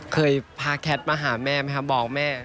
เคยพาแคทมาหาแม่ไหมครับบอกแม่